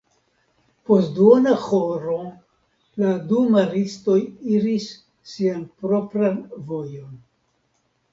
Post duona horo la du maristoj iris sian propran vojon.